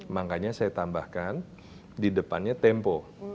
makanya saya tambahkan di depannya tempo